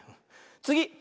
つぎ！